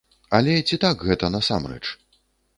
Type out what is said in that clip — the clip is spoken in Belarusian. Але ці так гэта насамрэч?